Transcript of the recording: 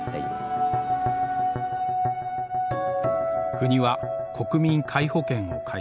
国は国民皆保険を開始。